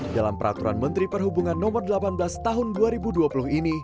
dalam peraturan menteri perhubungan no delapan belas tahun dua ribu dua puluh ini